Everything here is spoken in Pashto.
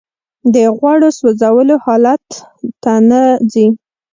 د غوړو سوځولو حالت ته نه ځي